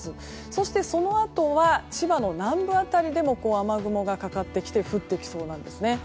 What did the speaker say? そして、そのあとは千葉の南部辺りでも雨雲がかかってきて降ってきそうなんです。